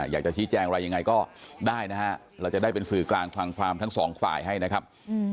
อยากจะชี้แจงอะไรยังไงก็ได้นะฮะเราจะได้เป็นสื่อกลางฟังความทั้งสองฝ่ายให้นะครับ